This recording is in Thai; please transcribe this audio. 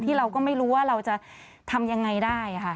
เราก็ไม่รู้ว่าเราจะทำยังไงได้ค่ะ